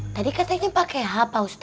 tadi katanya pake h pak ustadz